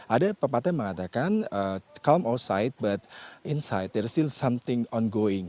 ada pepatah yang mengatakan calm outside but inside there is still something ongoing